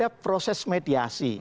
ada proses mediasi